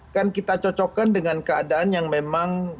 kan kita cocokkan dengan keadaan yang memang